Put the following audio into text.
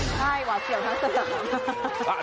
ใช่เกี่ยวกันทั้งสนาม